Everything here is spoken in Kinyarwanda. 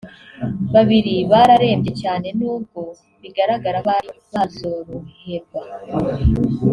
babiri bararembye cyane nubwo bigaragara ko bari bazoroherwa